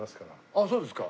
あっそうですか。